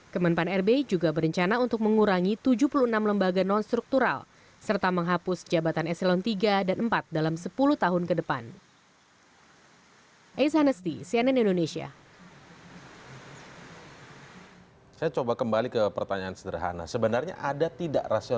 kemenpan rb juga berencana untuk mengurangi tujuh puluh enam lembaga non struktural serta menghapus jabatan eselon tiga dan empat dalam sepuluh tahun ke depan